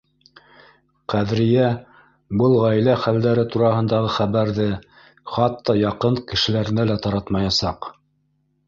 Ҡәҙриә был ғаилә хәлдәре тураһындағы хәбәрҙе хатта яҡын кешеләренә лә таратмаясаҡ